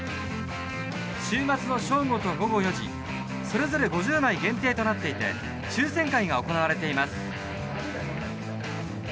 週末の正午と午後４時それぞれ５０枚限定となっていて抽選会が行われています。